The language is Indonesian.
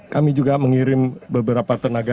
kami juga mengirim beberapa tenaga